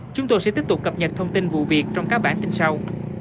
chúng tôi sẽ tiếp tục cập nhật thông tin vụ việc trong các bản tin sau